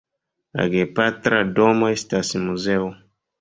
La gepatra domo estas muzeo.